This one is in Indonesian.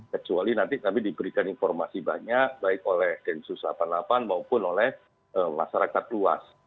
kecuali nanti kami diberikan informasi banyak baik oleh densus delapan puluh delapan maupun oleh masyarakat luas